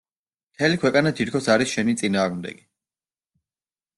მთელი ქვეყანა თითქოს არის შენი წინააღმდეგი.